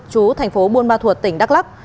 chú thành phố buôn ma thuật tỉnh đắk lắk